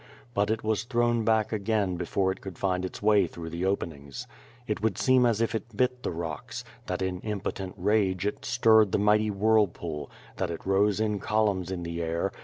Rut it was thrown back again before it could find its way through the 0]>enings, It would seem as if it bit the rooks, that in impotent raire it stirred the miirhty whirlpixM, that it rose in oi^lumns in the air.